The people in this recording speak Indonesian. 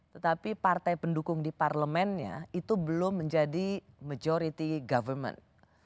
tetapi partai pendukung di parlemennya itu belum menjadi majority government